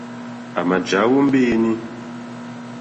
À mà jàwó mbéǃéní.